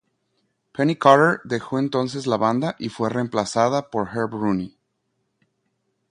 Penny Carter dejó entonces la banda y fue reemplazada por Herb Rooney.